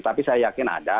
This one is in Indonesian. tapi saya yakin ada